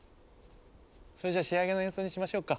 それじゃ仕上げの演奏にしましょうか。